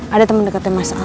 ada temen deketnya mas al